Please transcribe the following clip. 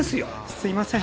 すいません。